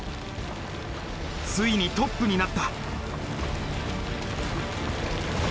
ついにトップになった。